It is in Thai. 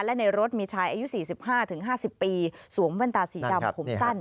และในรถมีชายอายุ๔๕๕๐ปีสวมแว่นตาสีดำผมสั้น